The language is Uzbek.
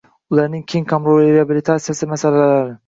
ularning keng qamrovli reabilitatsiyasi masalalari